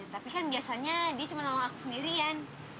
tapi kan biasanya dia cuma nolong aku sendirian